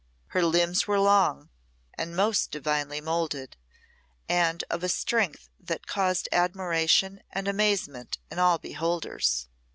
Her limbs were long, and most divinely moulded, and of a strength that caused admiration and amazement in all beholders.